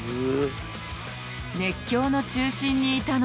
熱狂の中心にいたのは。